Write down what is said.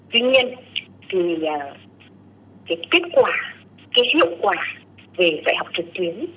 tuy nhiên thì cái kết quả cái hiệu quả về dạy học trực tuyến